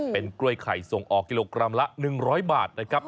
เป็นกล้วยไข่ส่งออกกิโลกรัมละ๑๐๐บาทนะครับ